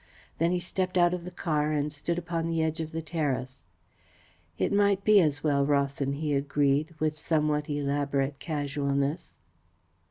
Then he stepped out of the car and stood upon the edge of the terrace. "It might be as well, Rawson," he agreed, with somewhat elaborate casualness.